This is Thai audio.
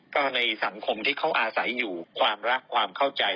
ก็ในสังคมที่เขาอาศัยอยู่ความรักความเข้าใจ